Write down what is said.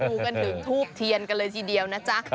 ดูกันถึงทูบเทียนกันเลยทีเดียวนะจ๊ะ